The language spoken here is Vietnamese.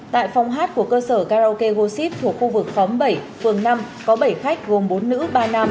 tại phòng hát của cơ sở karaoke goship thuộc khu vực khóm bảy phường năm có bảy khách gồm bốn nữ ba nam